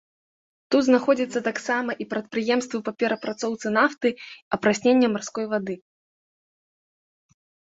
Тут знаходзяцца таксама і прадпрыемствы па перапрацоўцы нафты, апраснення марской вады.